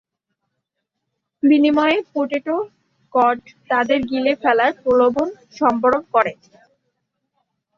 বিনিময়ে, potato cod তাদের গিলে ফেলার প্রলোভন সম্বরণ করে।